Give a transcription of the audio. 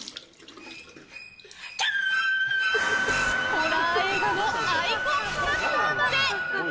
ホラー映画のアイコンキャラクターまで。